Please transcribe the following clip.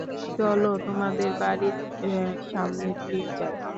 চল, তোমাদের বাড়ির সামনে দিয়েই যাই।